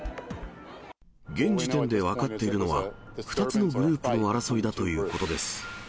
現時点で分かっているのは、２つのグループの争いだということです。